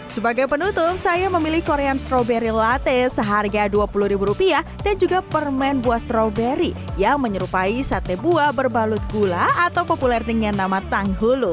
sebagai penutup saya memilih korean stroberi latte seharga dua puluh ribu rupiah dan juga permen buah stroberi yang menyerupai sate buah berbalut gula atau populer dengan nama tanggulu